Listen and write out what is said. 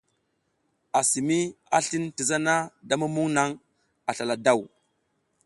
Assimi a slin ti zana da mumuŋ naŋ a slala daw.